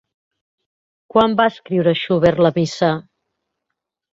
Quan va escriure Schubert la missa?